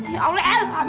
ya allah eh apaan